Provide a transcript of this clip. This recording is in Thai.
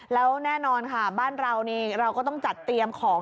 แล้วแน่นอนค่ะบ้านเรานี่เราก็ต้องจัดเตรียมของ